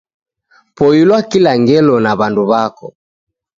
Poilwa kila ngelo na wandu wako